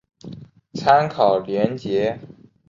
参考连结